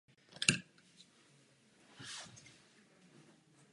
Zatřetí musí být zlepšena právní moc organizací producentů.